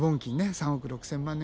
３億６，０００万年！